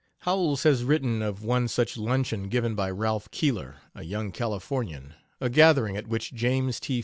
Howells, has written of one such luncheon given by Ralph Keeler, a young Californian a gathering at which James T.